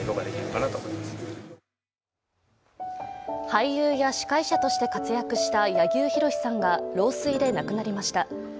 俳優や司会者として活躍した柳生博さんが老衰で亡くなりました。